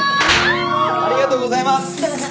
ありがとうございます！